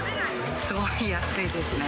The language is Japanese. すごい安いですね。